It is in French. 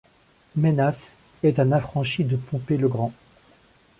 Menas est un affranchi de Pompée le Grand.